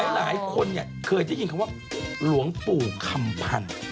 หลายคนเคยได้ยินคำว่าหลวงปู่คำพันธ์